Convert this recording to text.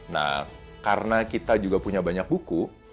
nah karena kita juga punya banyak buku